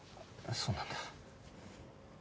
そうなんだ。